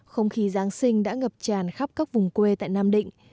không khí giáng sinh đã ngập tràn khắp các vùng quê tại nam định